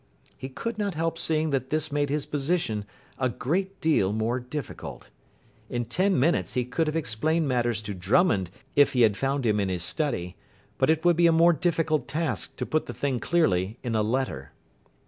He could not help seeing that this made his position a great deal more difficult. In ten minutes he could have explained matters to Drummond if he had found him in his study. But it would be a more difficult task to put the thing clearly in a letter.